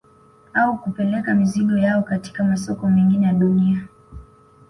Au kupeleka mizigo yao katika masoko mengine ya dunia